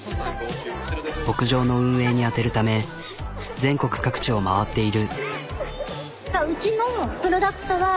牧場の運営に充てるため全国各地を回っている。